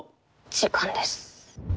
時間です。